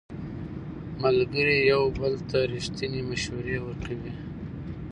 ملګري یو بل ته ریښتینې مشورې ورکوي